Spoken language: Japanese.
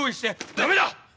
ダメだ‼